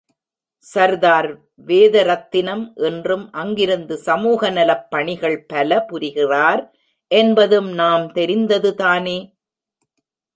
சர்தார் வேதரத்தினம் இன்றும் அங்கிருந்து சமூக நலப் பணிகள் பல புரிகிறார் என்பதும் நாம் தெரிந்ததுதானே.